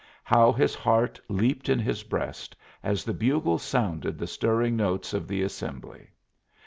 How his heart leaped in his breast as the bugle sounded the stirring notes of the "assembly"!